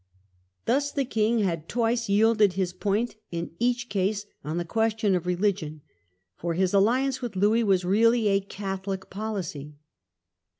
Thus the king had twice yielded his point, in each case on the question of religion, for his alliance with Louis was really a Catholic policy.